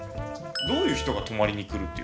どういう人が泊まりに来るっていうか。